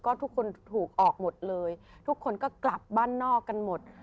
ก็ทุกคนถูกออกหมดเลยทุกคนก็กลับบ้านนอกกันหมด